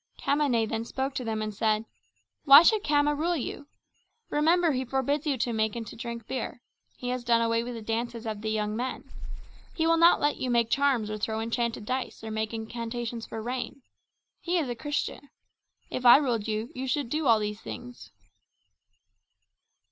Khamane then spoke to them and said, "Why should Khama rule you? Remember he forbids you to make and to drink beer. He has done away with the dances of the young men. He will not let you make charms or throw enchanted dice or make incantations for rain. He is a Christian. If I ruled you, you should do all these things."